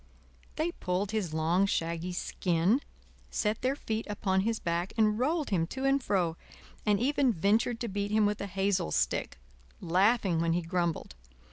They pulled his long, shaggy skin, set their feet upon his back and rolled him to and fro, and even ventured to beat him with a hazel stick, laughing when he grumbled.